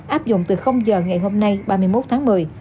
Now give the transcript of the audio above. áp dụng từ giờ ngày hôm nay ba mươi một tháng một mươi